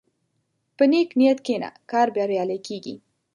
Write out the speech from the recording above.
په نیک نیت کښېنه، کار بریالی کېږي.